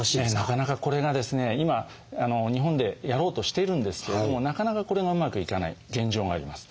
なかなかこれがですね今日本でやろうとしているんですけれどもなかなかこれがうまくいかない現状があります。